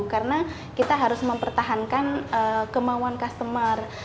karena kita harus mempertahankan kemauan customer